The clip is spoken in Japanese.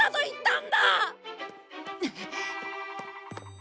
ん？